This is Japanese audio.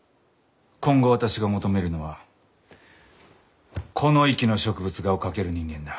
今後私が求めるのはこの域の植物画を描ける人間だ。